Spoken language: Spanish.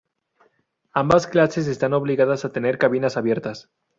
Ambas clases están obligadas a tener cabinas abiertas.